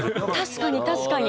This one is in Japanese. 確かに確かに。